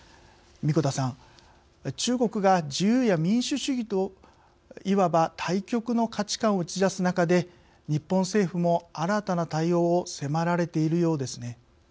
神子田さん、中国が自由や民主主義といわば対極の価値観を打ち出す中で日本政府も新たな対応を迫られているようですね。